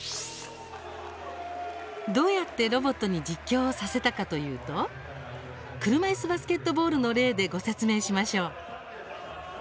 どうやって、ロボットに実況をさせたかというと車いすバスケットボールの例でご説明しましょう。